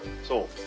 そう。